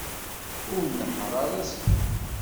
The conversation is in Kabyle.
Ur nnehheṛ ara azekka.